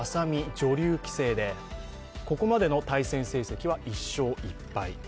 女流棋聖でここまでの対戦成績は１勝１敗。